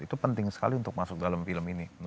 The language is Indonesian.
itu penting sekali untuk masuk dalam film ini